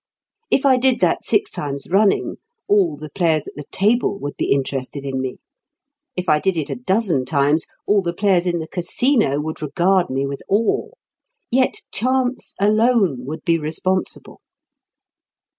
If I did that six times running all the players at the table would be interested in me. If I did it a dozen times all the players in the Casino would regard me with awe. Yet chance alone would be responsible.